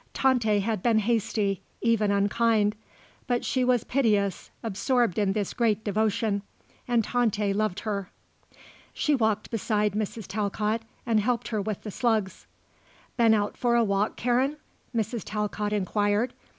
Tante had been hasty, even unkind; but she was piteous, absorbed in this great devotion; and Tante loved her. She walked beside Mrs. Talcott and helped her with the slugs. "Been out for a walk, Karen?" Mrs. Talcott inquired.